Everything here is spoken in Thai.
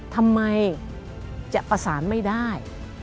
ทำไมจะประสานไม่ได้